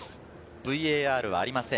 ＶＡＲはありません。